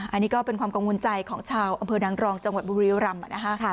อันนี้ก็เป็นความกังวลใจของชาวอำเภอนางรองจังหวัดบุรียรำ